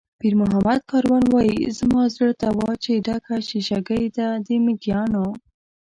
پیرمحمد کاروان وایي: "زما زړه ته وا چې ډکه شیشه ګۍ ده د مېږیانو".